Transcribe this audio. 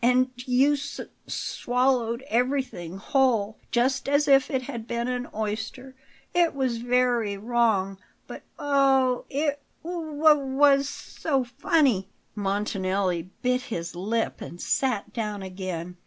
"And you s s swallowed everything whole; just as if it had been an oyster. It was very wrong; but oh, it w w was so funny!" Montanelli bit his lip and sat down again.